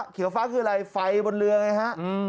ฟ้าคืออะไรไฟบนเรือไงฮะ